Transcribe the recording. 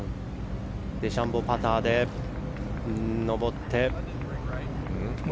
デシャンボーパターで上って。